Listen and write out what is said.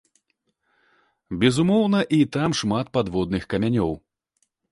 Безумоўна, і там шмат падводных камянёў.